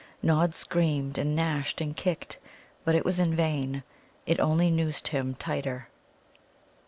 Nod screamed and gnashed and kicked. But it was in vain. It only noosed him tighter.